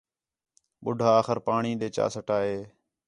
ٻُڈّھا آخر پاݨی ݙے چا سَٹا ہِے